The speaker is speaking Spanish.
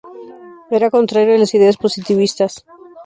Era contrario a las ideas positivistas.